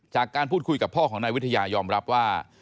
จากการพูดคุยกับพ่อของนายวิทยายอมรับว่า